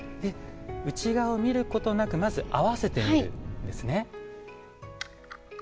内側を見ることなくまず合わせてみるんですね。